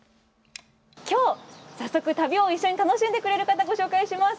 今日、早速旅を一緒に楽しんでくれる方をご紹介します。